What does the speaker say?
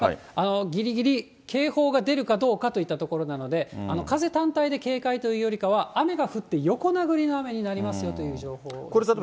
ぎりぎり警報が出るかどうかといったところなので、風単体で警戒というよりかは、雨が降って横殴りの雨になりますよという情報ですね。